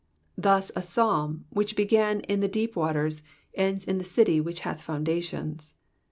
Thus a Psalm, which bc^n in the deep waters, ends in the city which hath foundations.